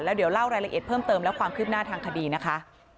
เดี๋ยวเล่ารายละเอียดเพิ่มเติมและความคืบหน้าทางคดีนะคะ